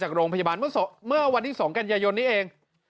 โรงพยาบาลเมื่อวันที่๒กันยายนนี้เอง